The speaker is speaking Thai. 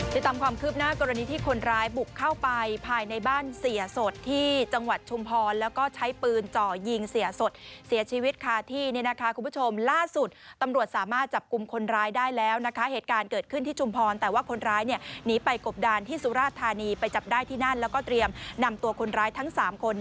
ติดตามความคืบหน้ากรณีที่คนร้ายบุกเข้าไปภายในบ้านเสียสดที่จังหวัดชุมพรแล้วก็ใช้ปืนจ่อยิงเสียสดเสียชีวิตคาที่คุณผู้ชมล่าสุดตำรวจสามารถจับกลุ่มคนร้ายได้แล้วนะคะเหตุการณ์เกิดขึ้นที่ชุมพรแต่ว่าคนร้ายหนีไปกบดานที่สุราธานีไปจับได้ที่นั่นแล้วก็เตรียมนำตัวคนร้ายทั้ง๓คน